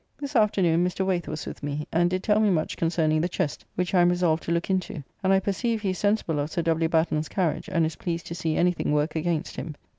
This afternoon Mr. Waith was with me, and did tell me much concerning the Chest, which I am resolved to look into; and I perceive he is sensible of Sir W. Batten's carriage; and is pleased to see any thing work against him.